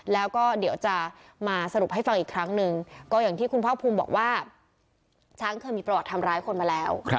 แล้วก็เดี๋ยวจะมาสรุปให้ฟังอีกครั้งหนึ่งก็อย่างที่คุณภาคภูมิบอกว่าช้างเคยมีประวัติทำร้ายคนมาแล้ว